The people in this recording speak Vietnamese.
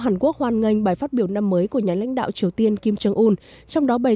hàn quốc hoan nghênh bài phát biểu năm mới của nhà lãnh đạo triều tiên kim jong un trong đó bày